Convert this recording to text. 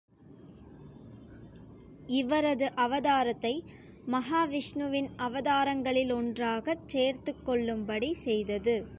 இவரது அவதாரத்தை, மஹாவிஷ்ணுவின் அவதாரங்களிலொன்றாகச் சேர்த்துக் கொள்ளும்படி செய்தது.